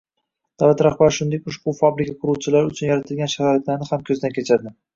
Davlat rahbari, shuningdek, ushbu fabrika quruvchilari uchun yaratilgan sharoitlarni ham ko‘zdan kechirdi